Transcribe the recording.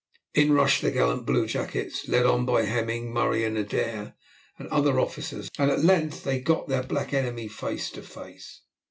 In rushed the gallant bluejackets, led on by Hemming, Murray, Adair, and other officers, and at length they got their black enemy face to face.